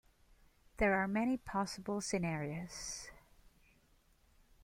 There are many possible scenarios.